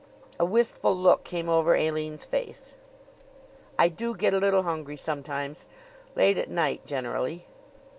A wistful look came over Aline's face. "I do get a little hungry sometimes late at night generally."